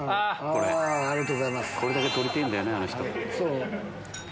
これだけ撮りてぇんだなあの人。